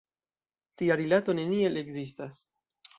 Tia rilato neniel ekzistas!